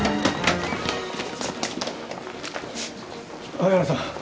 愛原さん